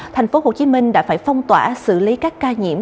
thành phố hồ chí minh đã phải phong tỏa xử lý các ca nhiễm